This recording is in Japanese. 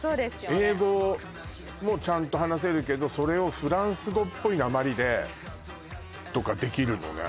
英語もちゃんと話せるけどそれをフランス語っぽいなまりでとかできるのね